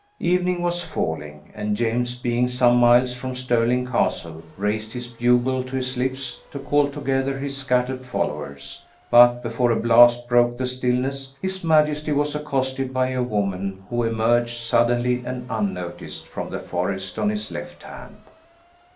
Evening was falling and James being some miles from Stirling Castle, raised his bugle to his lips to call together his scattered followers, but before a blast broke the stillness, his majesty was accosted by a woman who emerged suddenly and unnoticed from the forest on his left hand.